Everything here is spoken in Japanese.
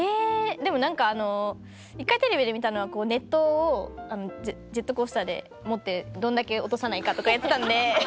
でも何かあの１回テレビで見たのは熱湯をジェットコースターで持ってどんだけ落とさないかとかやってたんで。